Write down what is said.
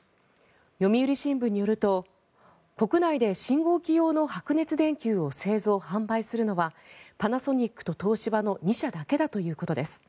読売新聞によると国内で信号機用の白熱電球を製造販売するのはパナソニックと東芝の２社だけだということです。